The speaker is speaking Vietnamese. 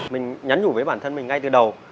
mình nhắn nhủ với bản thân mình ngay từ đầu